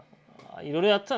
いろいろやってた。